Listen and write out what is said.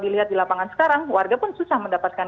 dilihat di lapangan sekarang warga pun susah mendapatkan